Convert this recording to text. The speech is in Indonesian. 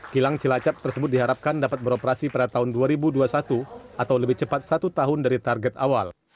kilang cilacap tersebut diharapkan dapat beroperasi pada tahun dua ribu dua puluh satu atau lebih cepat satu tahun dari target awal